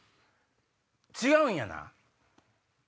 違うんやな。